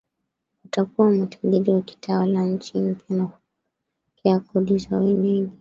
watakuwa matajiri wakitawala nchi mpya na kupokea kodi za wenyeji